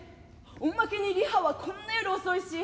おまけにリハはこんな夜遅いし。